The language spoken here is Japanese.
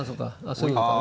そういうことか。